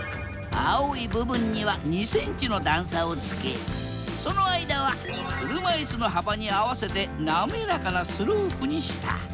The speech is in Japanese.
青い部分には２ｃｍの段差をつけその間は車いすの幅に合わせて滑らかなスロープにした。